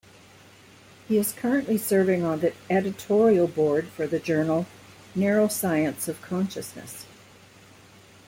He is currently serving on the editorial board for the journal Neuroscience of Consciousness.